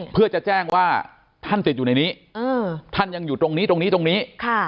เพื่อจะแจ้งว่าท่านติดอยู่ในนี้ท่านยังอยู่ตรงนี้ตรงนี้ตรงนี้